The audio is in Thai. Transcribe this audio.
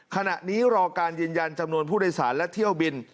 ขณะนี้รอการยืนยันจำนวนผู้โดยสารและเที่ยวบิน